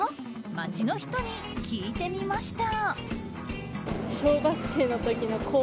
街の人に聞いてみました。